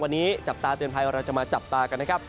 วันนี้จับตาเตือนภัยเราจะมาจับตากันนะครับ